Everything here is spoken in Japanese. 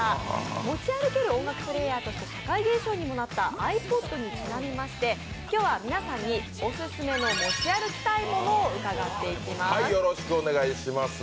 持ち歩ける音楽プレーヤーとして社会現象にもなったｉＰｏｄにちなみまして今日は皆さんにオススメの持ち歩きたいものを伺っていきます。